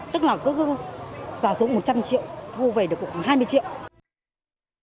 tức là cứ giả dụng một trăm linh triệu thu về được khoảng hai mươi triệu